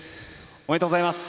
おめでとうございます。